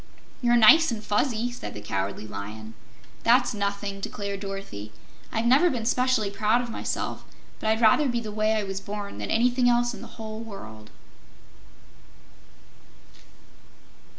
"You're nice and fuzzy," said the Cowardly Lion. "That's nothing," declared Dorothy. "I've never been 'specially proud of myself, but I'd rather be the way I was born than anything else in the whole world."